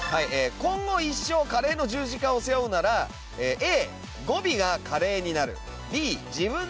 今後一生カレーの十字架を背負うならＡ語尾が「カレー」になるＢ自分の匂いがカレーになる。